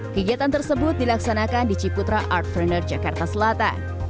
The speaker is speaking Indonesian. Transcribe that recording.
kegiatan tersebut dilaksanakan di ciputra art planner jakarta selatan